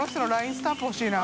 スタンプほしいな。